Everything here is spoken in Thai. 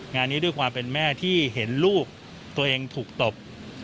งานนี้ด้วยความเป็นแม่ที่เห็นลูกตัวเองถูกตบ